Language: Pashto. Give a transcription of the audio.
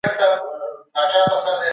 که چا لور لرله او هغه ئې په ښه توګه وروزله.